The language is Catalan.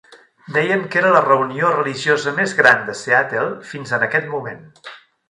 Deien que era la reunió religiosa més gran de Seattle fins en aquest moment.